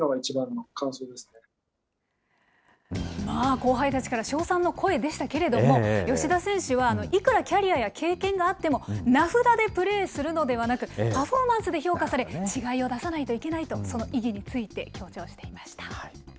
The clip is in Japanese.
後輩たちから称賛の声でしたけれども、吉田選手は、いくらキャリアや経験があっても、名札でプレーするのではなく、パフォーマンスで評価され、違いを出さないといけないと、その意義について強調していました。